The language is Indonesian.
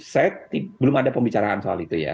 saya belum ada pembicaraan soal itu ya